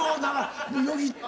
よぎって。